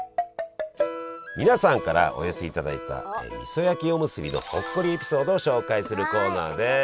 皆さんからお寄せいただいたみそ焼きおむすびのほっこりエピソードを紹介するコーナーです。